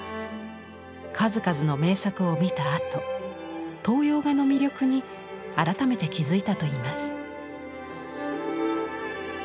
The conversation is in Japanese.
数々の名作を見たあと東洋画の魅力に改めて気付いたといいます。